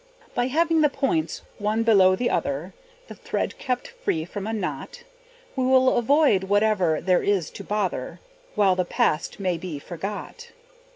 By having the points one below the other, The thread kept free from a knot, We will avoid whate'er there is to bother, While the past may be forgot.